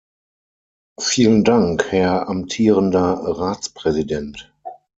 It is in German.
Vielen Dank, Herr amtierender Ratspräsident.